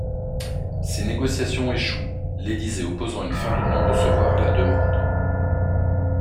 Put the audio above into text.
Ces négociations échouent, l'Élysée opposant une fin de non recevoir à la demande.